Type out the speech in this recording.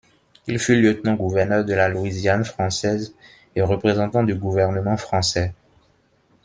Il fut lieutenant-gouverneur de la Louisiane française et représentant du gouvernement français.